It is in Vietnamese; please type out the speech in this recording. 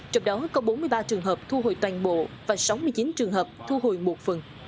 trong đó có bốn mươi ba trường hợp thu hồi toàn bộ và sáu mươi chín trường hợp thu hồi một phần